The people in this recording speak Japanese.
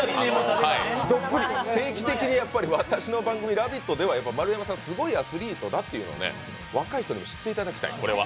定期的に私の番組「ラヴィット！」では丸山さんはすごいアスリートだというので、若い人にも知っていただきたい。